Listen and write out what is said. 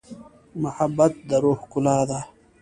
محبت د روح ښکلا ده.